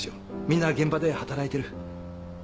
みんな現場で働いてる。